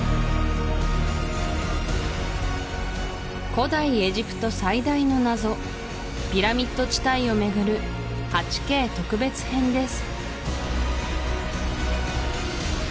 古代エジプト最大の謎ピラミッド地帯をめぐる８Ｋ特別編です